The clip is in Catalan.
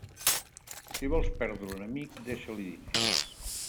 Si vols perdre un amic, deixa-li diners.